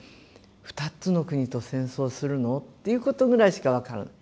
２つの国と戦争するの？ということぐらいしか分からない。